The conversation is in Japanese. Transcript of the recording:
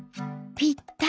「ぴったり」。